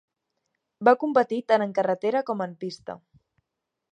Va competir tant en carretera com en pista.